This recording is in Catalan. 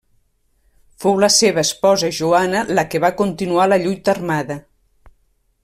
Fou la seva esposa Joana la que va continuar la lluita armada.